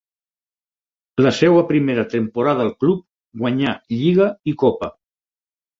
La seva primera temporada al club guanyà lliga i copa.